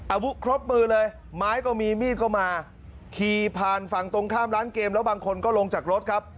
อาวุธครบมือเลยไม้ก็มีมีดก็มาขี่ผ่านฝั่งตรงข้ามร้านเกมแล้วบางคนก็ลงจากรถครับ